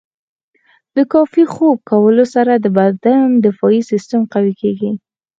د کافي خوب کولو سره د بدن دفاعي سیستم قوي کیږي.